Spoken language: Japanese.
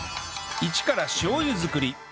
イチからしょう油作り